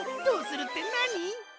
どうするってなに？